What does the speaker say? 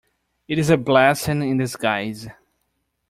It is a blessing in disguise.